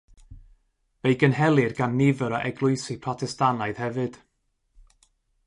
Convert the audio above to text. Fe'i gynhelir gan nifer o eglwysi Protestannaidd hefyd.